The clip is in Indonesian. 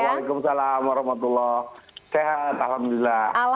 waalaikumsalam warahmatullahi wabarakatuh sehat alhamdulillah